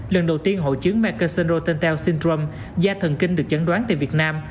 lần đầu tiên hội chứng mekansen rotentel syndrome da thần kinh được chấn đoán tại việt nam